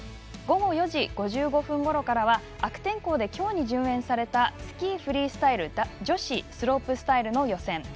午後４時５５分ごろからは悪天候できょうに順延されたスキー・フリースタイル女子スロープスタイルの予選。